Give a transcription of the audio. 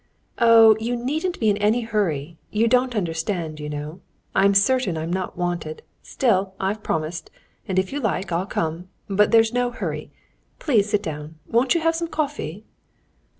"Oh, you needn't be in any hurry. You don't understand, you know. I'm certain I'm not wanted, still I've promised, and if you like, I'll come. But there's no hurry. Please sit down; won't you have some coffee?"